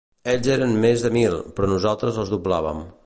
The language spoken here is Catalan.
Ells eren més de mil, però nosaltres els doblàvem.